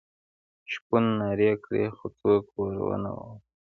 شپون نارې کړې خو څوک ور نه غلل.